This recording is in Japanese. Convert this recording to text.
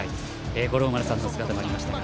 五郎丸さんの姿もありましたが。